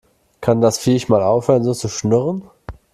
Kann das Viech mal aufhören so zu schnurren?